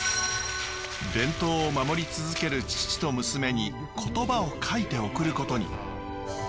伝統を守り続ける父と娘に言葉を書いて贈ることに。